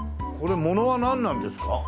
これものはなんなんですか？